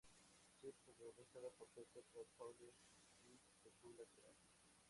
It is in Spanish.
Chips", protagonizado por Peter O'Toole y Petula Clark.